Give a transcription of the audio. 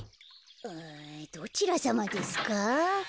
あどちらさまですか？